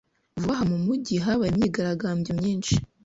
Vuba aha mu mujyi habaye imyigaragambyo myinshi.